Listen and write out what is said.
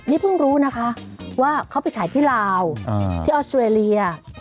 นี่เพิ่งรู้นะคะว่าเขาไปฉายที่ลาวที่ออสเตรเลีย